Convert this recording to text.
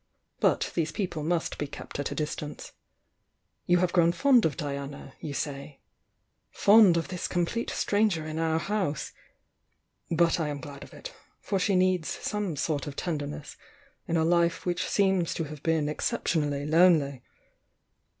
But these people must be kept at a distance. You have grown fond of Diana, you say, — fond of this complete stranger in our house! — but I am glad of it, for she needs some sort of tenderness in a life which seems to have been excep tionally lonely.